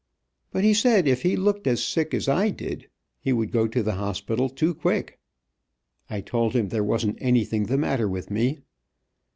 But he said if he looked as sick as I did he would go to the hospital too quick. I told him there wasn't anything the matter with me.